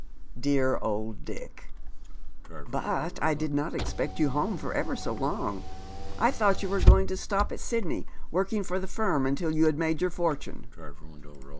" Dear old Dick !"" But I did not expect you home for ever so long. I thought you were going to stop at Sidney, working for the firm until yon had made your fortune."